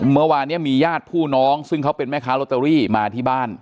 เมื่อวานนี้มีญาติผู้น้องซึ่งเขาเป็นแม่ค้าลอตเตอรี่มาที่บ้าน